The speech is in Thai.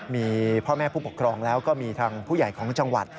มีพ่อแม่ผู้ปกครองแล้วก็มีทางผู้ใหญ่ของจังหวัด